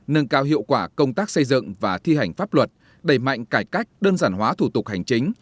nâng cao hiệu quả công tác xây dựng và thi hành pháp luật đẩy mạnh cải cách đơn giản hóa thủ tục hành chính